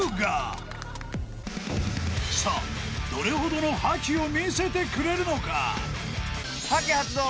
［さあどれほどの覇気を見せてくれるのか？］